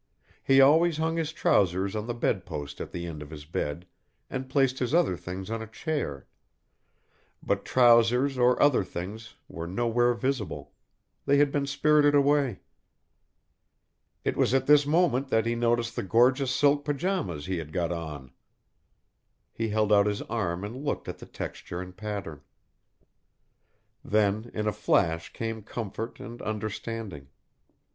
He always hung his trousers on the bed post at the end of his bed and placed his other things on a chair, but trousers or other things were nowhere visible, they had been spirited away. It was at this moment that he noticed the gorgeous silk pyjamas he had got on. He held out his arm and looked at the texture and pattern. Then, in a flash came comfort and understanding.